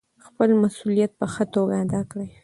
خپل مسوولیت په ښه توګه ادا کړئ.